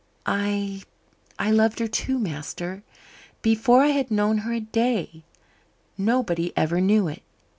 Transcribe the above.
I I loved her, too, master, before I had known her a day. Nobody ever knew it.